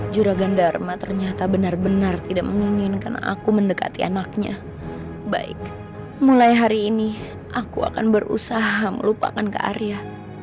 juragan dharma ternyata benar benar tidak menginginkan aku mendekati anaknya baik mulai hari ini aku akan berusaha melupakan ke area